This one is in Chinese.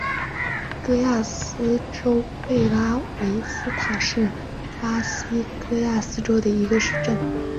戈亚斯州贝拉维斯塔是巴西戈亚斯州的一个市镇。